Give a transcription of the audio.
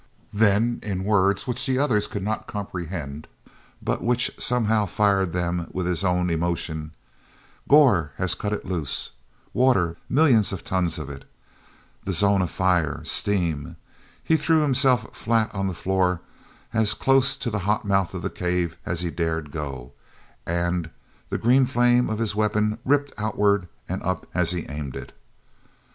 hen, in words which the others could not comprehend but which somehow fired them with his own emotion: "Gor has cut it loose! Water, millions of tons of it! The Zone of Fire—steam!..." He threw himself flat on the floor as close to the hot mouth of the cave as he dared go, and the green flame of his weapon ripped outward and up as he aimed it.